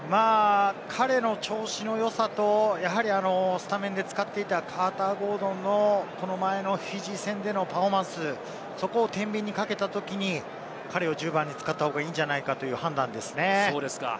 彼の調子の良さと、スタメンで使っていたカーター・ゴードンの、この前のフィジー戦でのパフォーマンス、そこをてんびんにかけたときに彼を１０番に使った方がいいんじゃないかという判断ですね。